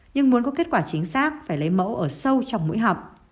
nhưng muốn có kết quả chính xác phải lấy mẫu ở sâu trong mũi họng